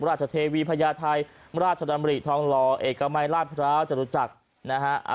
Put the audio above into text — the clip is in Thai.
ราชเทวีพญาไทยราชดำริทองหล่อเอกมัยราชพร้าวจรุจักรนะฮะ